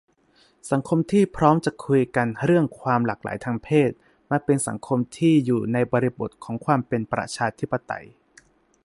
สังคมที่พร้อมจะคุยกันเรื่องความหลากหลายทางเพศ มักเป็นสังคมที่อยู่ในบริบทของความเป็นประชาธิปไตย